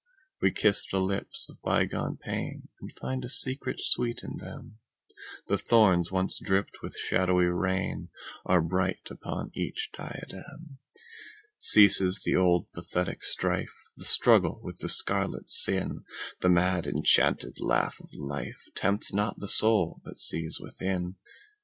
We kiss the lips of bygone painAnd find a secret sweet in them:The thorns once dripped with shadowy rainAre bright upon each diadem. Ceases the old pathetic strife, The struggle with the scarlet sin:The mad enchanted laugh of lifeTempts not the soul that sees within.